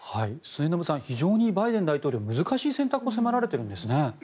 末延さん、非常にバイデン大統領難しい選択を迫られているんですね。